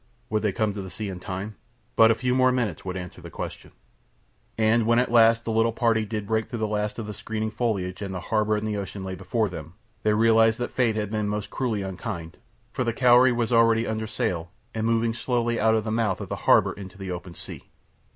Would they come to the sea in time? But a few more minutes would answer the question. And when at last the little party did break through the last of the screening foliage, and the harbour and the ocean lay before them, they realized that fate had been most cruelly unkind, for the Cowrie was already under sail and moving slowly out of the mouth of the harbour into the open sea.